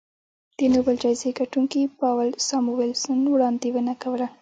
د نوبل جایزې ګټونکي پاول ساموېلسن وړاندوینه کوله